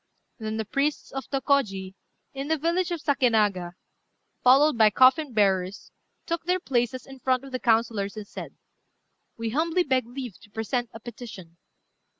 Then the priests of Tôkôji, in the village of Sakénaga, followed by coffin bearers, took their places in front of the councillors, and said "We humbly beg leave to present a petition."